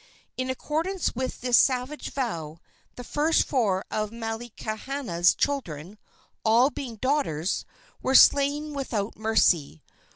In accordance with this savage vow the first four of Malaekahana's children, all being daughters, were slain without mercy.